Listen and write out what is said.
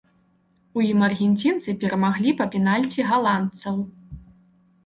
У ім аргенцінцы перамаглі па пенальці галандцаў.